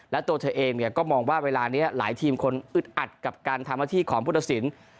และตัวเธอเองก็มองว่าเวลานี้หลายทีมคนอึดอัดกับการทำหน้าที่ของพุทธศิลป์